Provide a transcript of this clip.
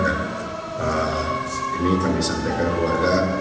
dan ini kami sampaikan kepada keluarga